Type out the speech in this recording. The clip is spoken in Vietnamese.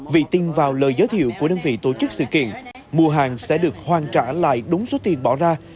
vì tin vào lời giới thiệu của đơn vị tổ chức sự kiện mua hàng sẽ được hoàn trả lại đúng số tiền bỏ ra